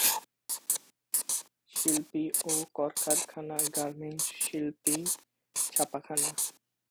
শিল্প ও কলকারখানা গার্মেন্টস শিল্প, ছাপাখানা।